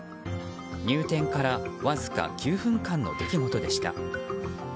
入店からわずか９分間の出来事でした。